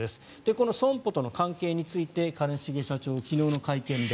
この損保との関係について兼重社長、昨日の会見で